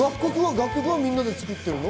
楽曲は、みんなで作ってるの？